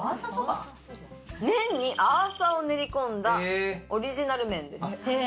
麺にアーサを練り込んだオリジナル麺です。